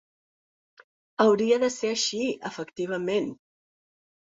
Hauria de ser així, efectivament.